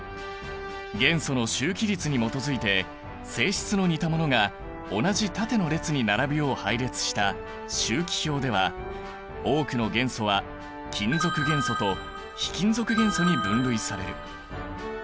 元素の周期律に基づいて性質の似たものが同じ縦の列に並ぶよう配列した周期表では多くの元素は金属元素と非金属元素に分類される。